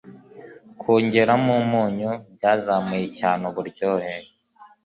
Kwongeramo umunyu byazamuye cyane uburyohe.